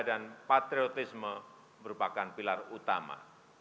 dan patriotisme merupakan pilar utama